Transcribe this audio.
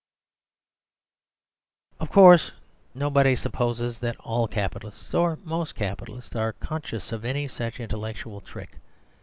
Of course, nobody supposes that all Capitalists, or most Capitalists, are conscious of any such intellectual trick.